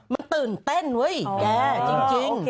มันตื่นเต้นเว้ยแกจริง